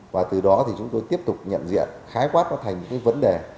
và từ đó thì chúng tôi tiếp tục nhận diện khái quát nó thành những cái vấn đề